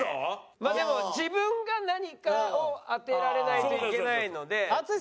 まあでも自分が何かを当てられないといけないので。